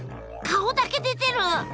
顔だけ出てる！